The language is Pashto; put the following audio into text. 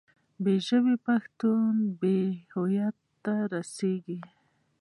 بې ژبې پښتانه به بې هویتۍ ته رسېږي.